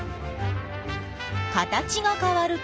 形がかわると？